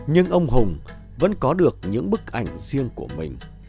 nhưng ông hùng vẫn có được những bức ảnh riêng của mình